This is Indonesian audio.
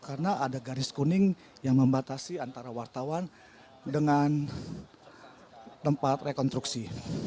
karena ada garis kuning yang membatasi antara wartawan dengan tempat rekonstruksi